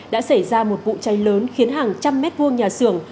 đã xảy ra một vụ cháy lớn khiến hàng trăm mét vuông nhà xưởng